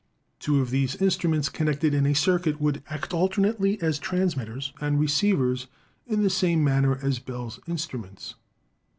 Two of these instruments connected in a circuit would act alternately as transmitters and receivers in the same manner as Bell's instruments.